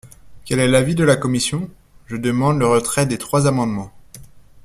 Quel est l’avis de la commission ? Je demande le retrait des trois amendements.